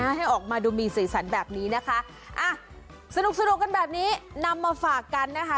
ให้ออกมาดูมีสีสันแบบนี้นะคะอ่ะสนุกสนุกกันแบบนี้นำมาฝากกันนะคะ